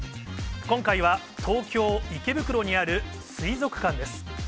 今回は東京・池袋にある水族館です。